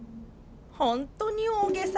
本当に大げさ！